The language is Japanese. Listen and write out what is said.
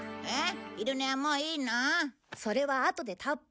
えっ！